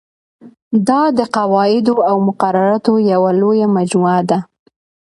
دا د قواعدو او مقرراتو یوه لویه مجموعه ده.